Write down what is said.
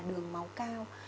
đường máu cao